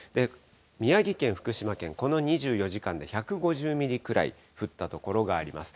宮城県、福島県、この２４時間で１５０ミリくらい降った所があります。